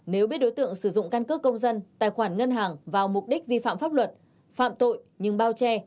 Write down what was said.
nếu biết đối tượng sử dụng căn cước công dân tài khoản ngân hàng vào mục đích vi phạm pháp luật phạm tội nhưng bao che